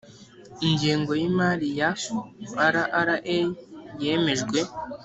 ingengo y imari ya rra yemejwe